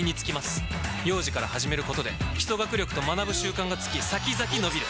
幼児から始めることで基礎学力と学ぶ習慣がつき先々のびる！